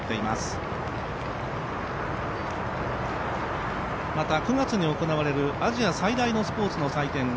また、９月に行われるアジア最大のスポーツの祭典